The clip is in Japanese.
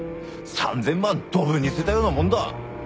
３，０００万どぶに捨てたようなもんだ。